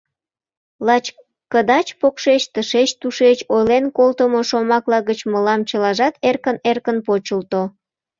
Лач кыдач-покшеч, тышеч-тушеч ойлен колтымо шомакла гыч мылам чылажат эркын-эркын почылто.